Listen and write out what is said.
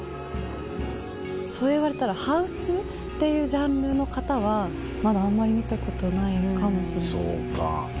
そういわれたらハウスっていうジャンルの方はまだあんまり見たことないかもしれない。